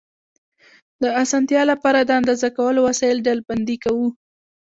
د اسانتیا لپاره د اندازه کولو وسایل ډلبندي کوو.